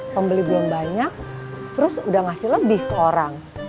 pembeli belum banyak terus udah ngasih lebih ke orang